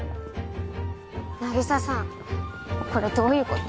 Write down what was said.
凪沙さんこれどういうこと？